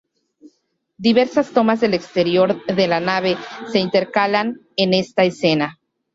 Diversas tomas del exterior de la nave se intercalan en esta escena.